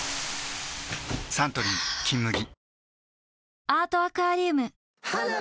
サントリー「金麦」